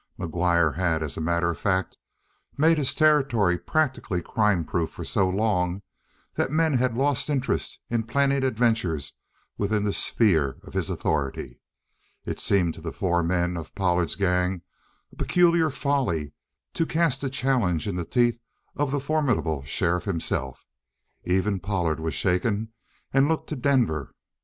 McGuire had, as a matter of fact, made his territory practically crime proof for so long that men had lost interest in planning adventures within the sphere of his authority. It seemed to the four men of Pollard's gang a peculiar folly to cast a challenge in the teeth of the formidable sheriff himself. Even Pollard was shaken and looked to Denver.